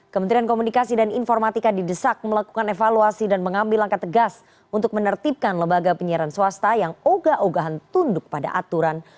kementerian komunikasi dan informatika didesak melakukan evaluasi dan mengambil langkah tegas untuk menertibkan lembaga penyiaran swasta yang oga ogahan tunduk pada aturan